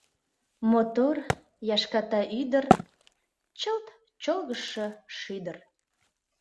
Мотор, яшката ӱдыр — Чылт чолгыжшо шӱдыр.